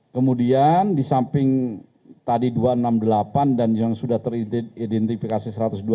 kemudian di samping tadi dua ratus enam puluh delapan dan yang sudah teridentifikasi satu ratus dua puluh